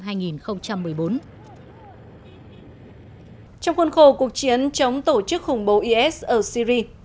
trong khuôn khổ cuộc chiến chống tổ chức khủng bố is ở syri